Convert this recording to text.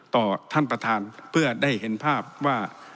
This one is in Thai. ต่อท่านประธานเพื่อได้เห็นภาพว่า